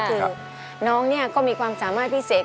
คือน้องเนี่ยก็มีความสามารถพิเศษ